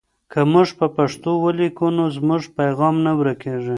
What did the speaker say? که موږ په پښتو ولیکو نو زموږ پیغام نه ورکېږي.